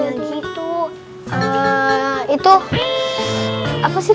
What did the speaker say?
ayu sama butet kan udah lama disini